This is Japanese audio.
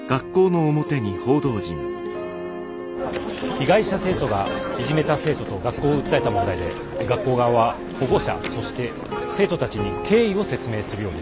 被害者生徒がいじめた生徒と学校を訴えた問題で学校側は保護者そして生徒たちに経緯を説明するようです。